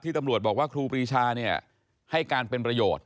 ตำรวจบอกว่าครูปรีชาให้การเป็นประโยชน์